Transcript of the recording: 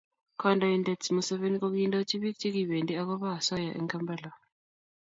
Kondoitet museveni ko kiindochi pik che kipendi ako ba osoya en kampla